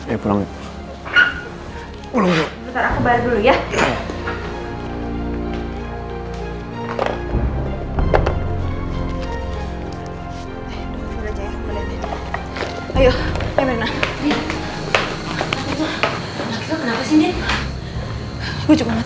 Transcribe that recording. ya pulang ya udah udah aku bayar dulu ya